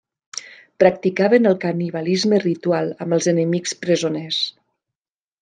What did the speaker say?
Practicaven el canibalisme ritual amb els enemics presoners.